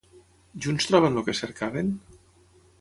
Junts troben el que cercaven?